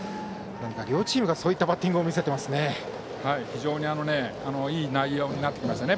両チームがそういったバッティングを非常にいい内容になってますね。